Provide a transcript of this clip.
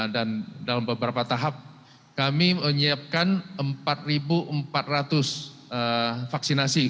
dan dalam beberapa tahap kami menyiapkan empat ribu empat ratus vaksinasi